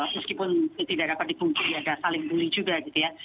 meskipun tidak dapat dipungkiri saling bully juga gitu ya